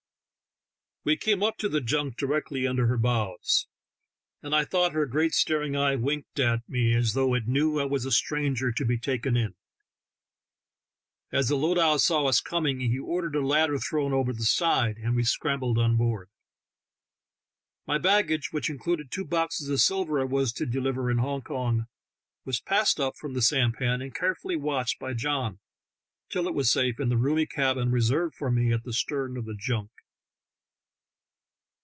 We came up to the junk directly under her bows, and I thought her great staring 14 THE TALKING HANDKERCHIEF. eye winked at me as though it knew I was a stranger to be taken in. As the lowdah saw us coming, he ordered a ladder thrown over the side, and we scrambled on board. My baggage (which included two boxes of silver I was to deliver in Hong Kong) was passed up from the sampan and carefully watched by John till it was safe in the roomy cabin reserved for me at the stern of the junk.